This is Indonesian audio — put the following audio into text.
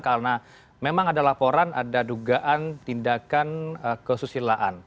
karena memang ada laporan ada dugaan tindakan kesusilaan